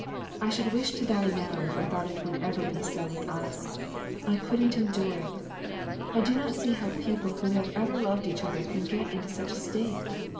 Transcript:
I should wish to die. now if I thought it would ever be so with us. I couldn't endure it. I do not see how two people who have ever loved each other can get into such a state.